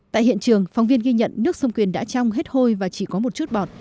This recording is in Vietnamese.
tại hiện trường phóng viên ghi nhận nước sông quyền đã trong hết hôi và chỉ có một chút bọt